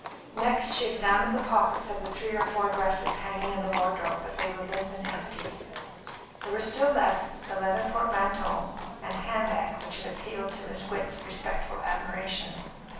Next she examined the pockets of the three or four dresses hanging in the wardrobe, but they were limp and empty. There were still left the leather portmanteau and handbag which had appealed to Miss Witt's respectful admiration.